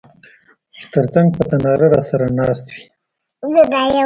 چي تر څنګ په تناره راسره ناست وې